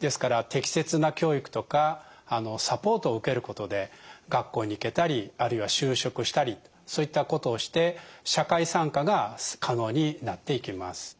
ですから適切な教育とかサポートを受けることで学校に行けたりあるいは就職したりそういったことをして社会参加が可能になっていきます。